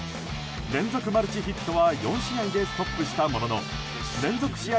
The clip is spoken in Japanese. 連続マルチヒットは４試合でストップしたものの連続試合